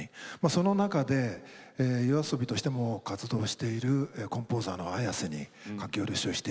その中でＹＯＡＳＯＢＩとしても活動しているコンポーザーのＡｙａｓｅに書き下ろしをして頂きまして。